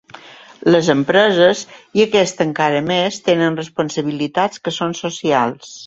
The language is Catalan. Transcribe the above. Les empreses, i aquesta encara més, tenen responsabilitats que són socials.